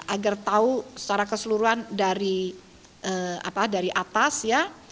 agar tahu secara keseluruhan dari atas ya